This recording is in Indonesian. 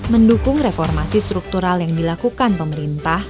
mendukung reformasi struktural yang dilakukan pemerintah